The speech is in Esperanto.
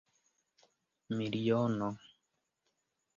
miliono